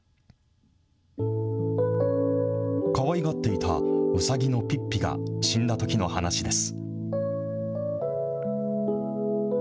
かわいがっていたウサギのピッピが死んだときの話です。